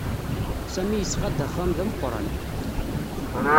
Sami yesɣa-d axxam d ameqran.